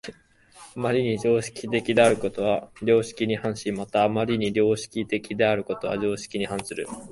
余りに常識的であることは良識に反し、また余りに良識的であることは常識に反する。